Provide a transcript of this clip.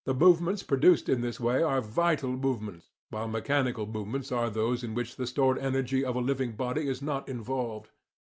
Movements produced in this way are vital movements, while mechanical movements are those in which the stored energy of a living body is not involved.